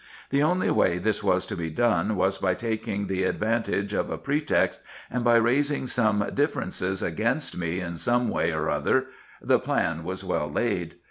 The only way this was to be done was by taking the advantage of a pretext, and by raising some differences against me in some way or other ; the plan was well laid.